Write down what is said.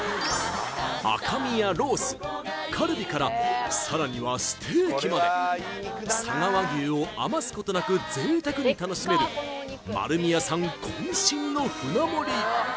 赤身やロースカルビからさらにはステーキまで佐賀和牛を余すことなく贅沢に楽しめる丸美屋さんこん身の舟盛り